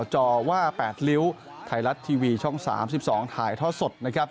ช่อง๓๒ถ่ายท้อสดนะครับ